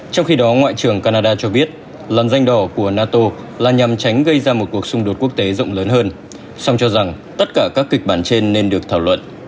trong khi đó ngoại trưởng canada cho biết lằn danh đỏ của nato là nhằm tránh gây ra một cuộc xung đột quốc tế rộng lớn hơn song cho rằng tất cả các kịch bản trên nên được thảo luận